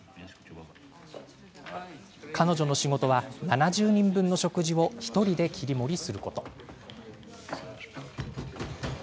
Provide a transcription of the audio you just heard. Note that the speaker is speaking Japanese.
彼女の仕事は７０人分の食事を１人で切り盛りすること。